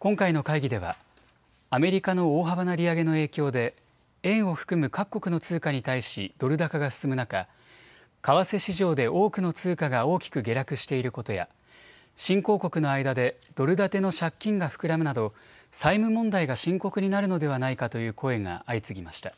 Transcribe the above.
今回の会議ではアメリカの大幅な利上げの影響で円を含む各国の通貨に対しドル高が進む中、為替市場で多くの通貨が大きく下落していることや新興国の間でドル建ての借金が膨らむなど債務問題が深刻になるのではないかという声が相次ぎました。